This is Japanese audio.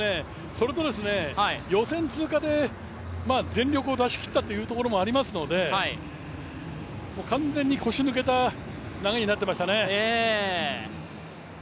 それと予選通過で全力を出し切ったというところありますので完全に腰が抜けた投げになっていましたね。